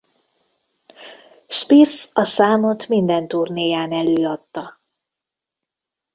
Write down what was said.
Spears a számot minden turnéján előadta.